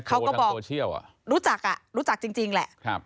เขาก็บอกรู้จักอ่ะรู้จักจริงแหละ